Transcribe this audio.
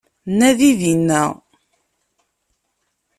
Nadi dinna